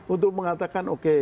untuk mengatakan oke